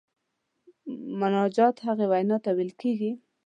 مناجات هغې وینا ته ویل کیږي.